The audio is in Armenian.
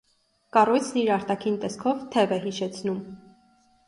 Կառույցն իր արտաքին տեսքով թև է հիշեցնում։